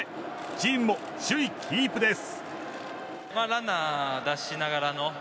チームも首位キープです。